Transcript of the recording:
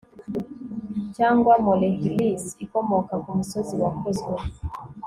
cyangwa molehills ikomoka kumusozi wakozwe